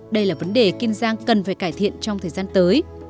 đây là vấn đề kiên giang cần phải cải thiện trong thời gian tới